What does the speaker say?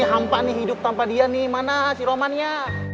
hampa nih hidup tanpa dia nih mana si romannya